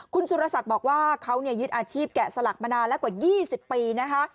คุณสุรศักดิ์บอกว่าเขายึดอาชีพแกะสลักมานานแล้วกว่า๒๐ปีนะคะ